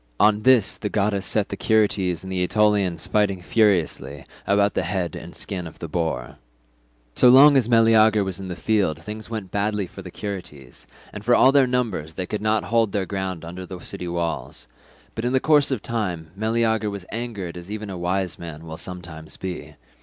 On this the goddess set the Curetes and the Aetolians fighting furiously about the head and skin of the boar. "So long as Meleager was in the field things went badly with the Curetes, and for all their numbers they could not hold their ground under the city walls; but in the course of time Meleager was angered as even a wise man will sometimes be.